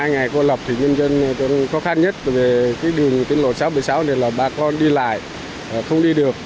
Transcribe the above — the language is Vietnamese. nhân dân khó khăn nhất về đường tỉnh lộn sáu trăm một mươi sáu này là bà con đi lại không đi được